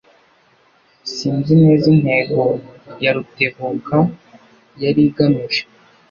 Sinzi neza intego ya Rutebuka yari igamije.